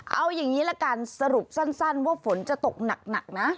เอาอย่างงี้ล่ะกันสรุปสั้นสั้นว่าฝนจะตกหนักหนักนะ